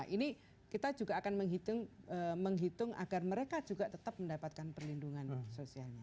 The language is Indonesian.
ini kita juga akan menghitung agar mereka juga tetap mendapatkan perlindungan sosialnya